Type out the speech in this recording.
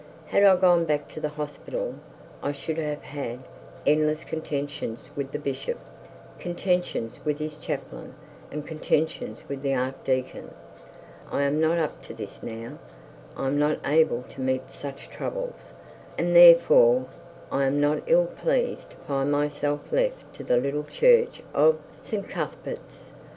Had I gone back to the hospital, I should have had the endless contentions with the bishop, contentions with his chaplain, and contentions with the archdeacon. I am not up to this now, I am not able to meet such troubles; and therefore I am not ill pleased to find myself left to the little church of St Cuthbert's.